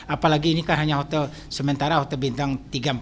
apalagi ini kan hanya hotel sementara hotel bintang tiga empat